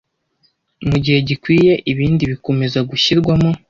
Mugihe gikwiye: ibindi bikomeza gushyirwamo